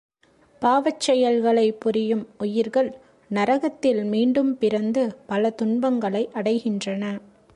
பாவச் செயல்களைப் புரியும் உயிர்கள் நரகத்தில் மீண்டும் பிறந்து பல துன்பங்களை அடைகின்றன.